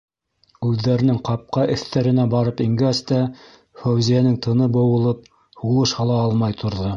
Үҙҙәренең ҡапҡа эҫтәренә барып ингәс тә Фәүзиәнең тыны быуылып, һулыш ала алмай торҙо.